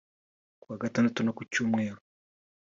ku wa Gatandatu no ku Cyumweru